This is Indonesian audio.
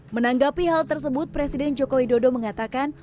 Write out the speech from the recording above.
menanggapi hal tersebut presiden jokowi dodo mengatakan